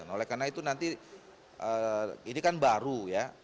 oleh karena itu nanti ini kan baru ya